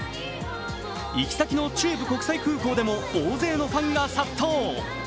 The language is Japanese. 行き先の中部国際空港でも大勢のファンが殺到。